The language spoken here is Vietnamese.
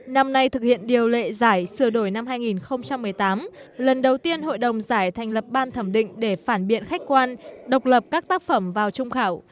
năm nay thực hiện điều lệ giải sửa đổi năm hai nghìn một mươi tám lần đầu tiên hội đồng giải thành lập ban thẩm định để phản biện khách quan độc lập các tác phẩm vào trung khảo